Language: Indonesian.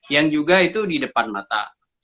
yang juga itu di depan mata